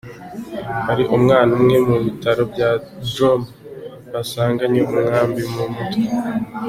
Hari umwana umwe mu bitaro bya Drodro basanganye umwambi mu mutwe.